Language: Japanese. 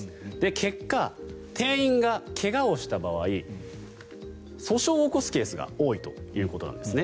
結果、店員が怪我をした場合訴訟を起こすケースが多いということなんですね。